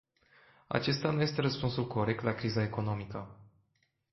Acesta nu este răspunsul corect la criza economică.